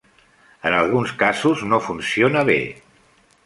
En alguns casos no funciona bé.